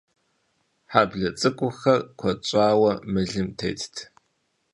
Хьэблэ цӀыкӀухэр куэд щӀауэ мылым тетт.